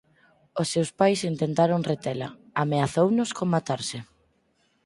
Os seus pais intentaron retela: ameazounos con matarse.